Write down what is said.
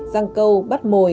răng câu bắt mồi